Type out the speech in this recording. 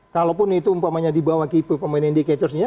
kalaupun itu umpamanya di bawah key performance indicatorsnya